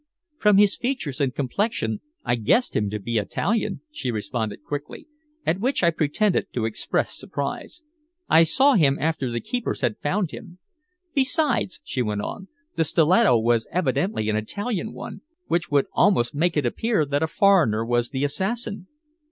"From his features and complexion I guessed him to be Italian," she responded quickly, at which I pretended to express surprise. "I saw him after the keepers had found him." "Besides," she went on, "the stiletto was evidently an Italian one, which would almost make it appear that a foreigner was the assassin."